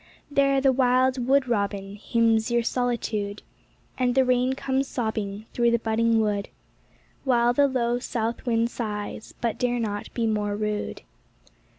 There the wild wood robin Hjrmns your solitude; TRAILING AEBUTUS 53 And the rain comes sobbing Through the budding wood, While the low south wind sighs, but dare not be more rude.